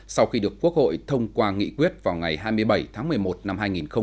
sau khi được quốc hội thông qua nghị quyết vào ngày hai mươi bảy tháng một mươi một năm hai nghìn một mươi chín